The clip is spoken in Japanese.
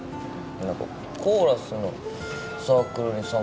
何かコーラスのサークルに参加して。